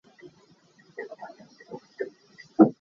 Its main operating base is Wattay International Airport in Vientiane.